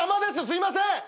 すいません！